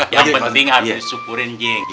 yang penting harus disyukurin ji